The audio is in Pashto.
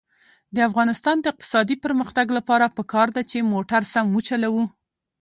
د افغانستان د اقتصادي پرمختګ لپاره پکار ده چې موټر سم وچلوو.